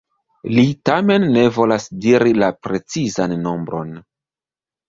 Li tamen ne volas diri la precizan nombron.